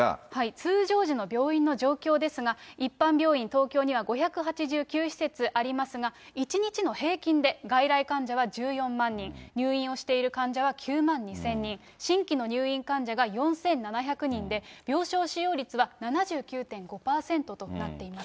通常時の病院の状況ですが、一般病院、東京には５８９施設ありますが、１日の平均で、外来患者は１４万人、入院をしている患者は９万２０００人、新規の入院患者が４７００人で、病床使用率は７９．５％となっています。